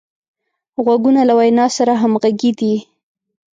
غوږونه له وینا سره همغږي دي